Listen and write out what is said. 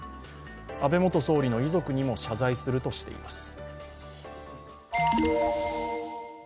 安倍元総理の遺族にも謝罪するとしています。